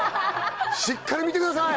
しっかり見てください